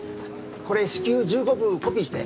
これ至急１５部コピーして。